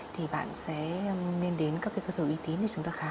thì bạn sẽ nên đến các cơ sở uy tín để chúng ta khám